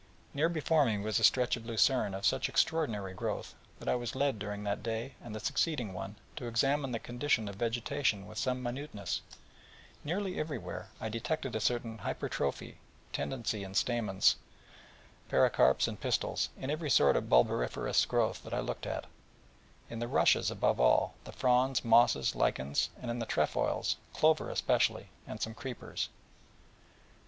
Near before me was a stretch of lucerne of such extraordinary growth, that I was led during that day and the succeeding one to examine the condition of vegetation with some minuteness, and nearly everywhere I detected a certain hypertrophie tendency in stamens, calycles, pericarps, and pistils, in every sort of bulbiferous growth that I looked at, in the rushes, above all, the fronds, mosses, lichens, and all cryptogamia, and in the trefoils, clover especially, and some creepers.